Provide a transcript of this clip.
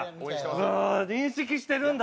ああ認識してるんだ！